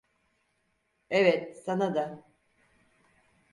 Evet, sana da.